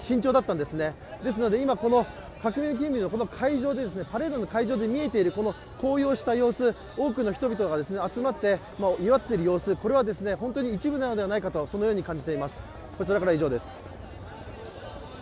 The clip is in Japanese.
ですので今、この革命記念日の、パレードの会場で見えているこの高揚した様子、多くの人々が集まって祝っている様子、これは一部なのではないかと感じています。